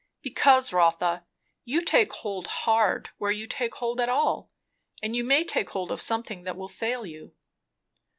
"Because, Rotha, you take hold hard, where you take hold at all; and you may take hold of something that will fail you."